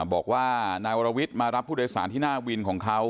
บอกว่านายวรวิทย์มารับผู้โดยสารที่หน้าวินของเขา